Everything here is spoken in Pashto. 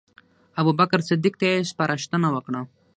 ابوبکر صدیق ته یې سپارښتنه وکړه.